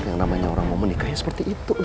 yang namanya orang mau menikahnya seperti itu